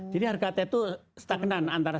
jadi harga teh itu stagnan antara